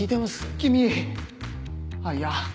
君あっいや。